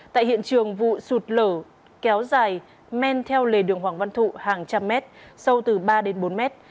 tại hiện trường vụ sụt lở kéo dài men theo lề đường hoàng văn thụ hàng trăm mét sâu từ ba đến bốn mét